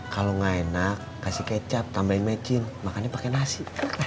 kalau nggak enak kasih kecap tambahin macin makannya pakai nasi